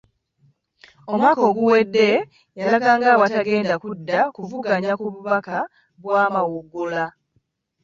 Omwaka oguwedde yalaga nga bw'atagenda kudda kuvuganya ku bubaka bwa Mawogola.